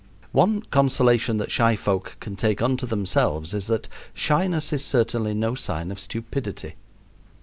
One consolation that shy folk can take unto themselves is that shyness is certainly no sign of stupidity.